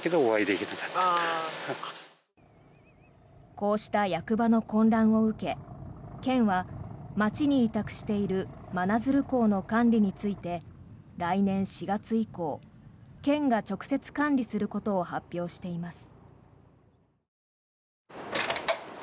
こうした役場の混乱を受け県は、町に委託している真鶴港の管理について来年４月以降県が直接管理することを発表しています。